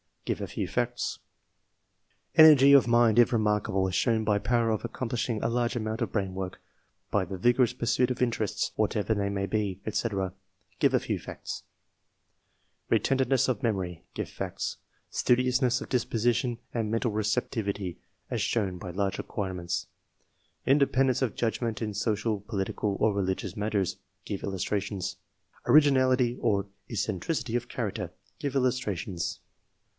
(give a few facts) ? Energy of mind, if remarkable ; as shown by power of accomplishing a large amount of brain work, by the vigorous pursuit of interests, whatever they may be, &c. (give a few facts) ? Ee tentiveness of memory (give facts) ? Studiousness of disposition and mental receptivity, as shown by large acquirements ? Independence of judgment in social political, or religious matters (give illustrations)? Originality or eccentricity of character (give illus trations)